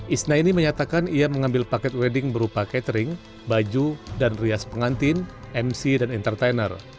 isna ini menyatakan ia mengambil paket wedding berupa catering baju dan rias pengantin mc dan entertainer